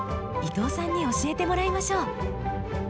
伊藤さんに教えてもらいましょう。